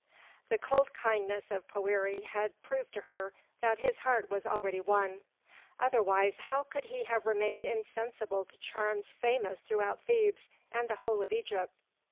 The cold kindness of Poëri had proved to her that his heart was already won; otherwise, how could he have remained insensible to charms famous throughout Thebes and the whole of Egypt?